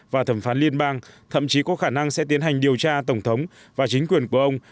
và thẩm phán liên bang thậm chí có khả năng sẽ tiến hành điều tra tổng thống và chính quyền của ông